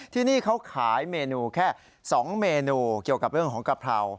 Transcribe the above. ที่นี่เขาขายเมนูแค่๒เมนูเกี่ยวกับเรื่องของกะเพรา